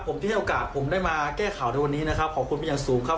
ผมที่ให้โอกาสผมได้มาแก้ข่าวในวันนี้นะครับขอบคุณเป็นอย่างสูงครับ